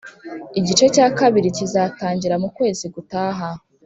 Igice cya kabiri kizatangira mu kwezi gutaha